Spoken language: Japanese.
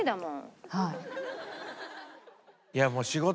はい。